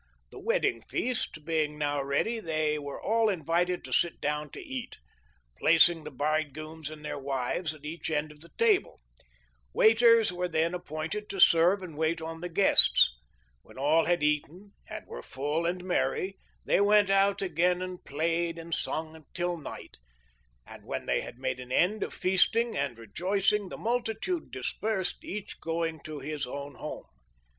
The wedding feast being now ready they were all invited to sit down to eat, placing the bridegrooms and their wives at each end of the table Waiters were then appointed to serve and wait on the guests. When all had eaten and were full and merry they went out again and played and sung till night, and when they had made an end of feasting and rejoicing the multitude dispersed, each going to his own home.